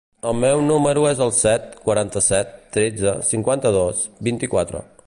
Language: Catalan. El meu número es el set, quaranta-set, tretze, cinquanta-dos, vint-i-quatre.